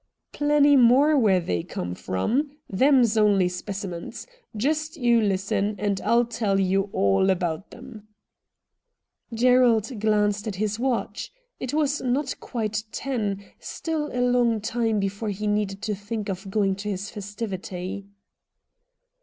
' Plenty more where they come from. Them's only specimens. Just you listen and ril tell you all about them.' Gerald glanced at his watch. It was not THE MAN FROM AFAR 53 quite ten — still a long time before he need think of going to his festivity.